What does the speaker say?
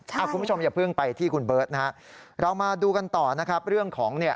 คุณผู้ชมอย่าเพิ่งไปที่คุณเบิร์ตนะฮะเรามาดูกันต่อนะครับเรื่องของเนี่ย